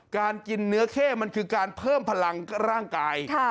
การกินเนื้อเข้มันคือการเพิ่มพลังร่างกาย